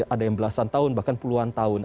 ada yang belasan tahun bahkan puluhan tahun